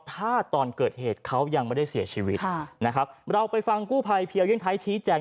ถ้าตอนเกิดเหตุเขายังไม่ได้เสียชีวิตค่ะนะครับเราไปฟังกู้ภัยเพียวเยี่ยงไทยชี้แจง